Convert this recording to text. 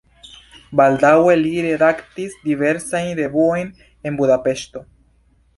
Baldaŭe li redaktis diversajn revuojn en Budapeŝto.